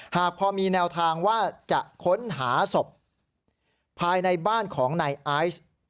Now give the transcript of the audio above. หากพอมีแนวทางว่าจะค้นหาศพภายในบ้านของนายไอซ์